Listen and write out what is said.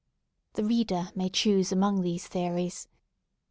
The reader may choose among these theories.